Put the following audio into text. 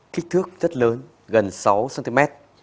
kích thước rất lớn gần sáu cm